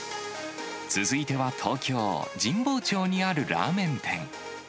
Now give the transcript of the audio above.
続いては東京・神保町にあるラーメン店。